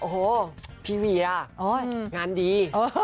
โอ้โหพี่เวียงานดี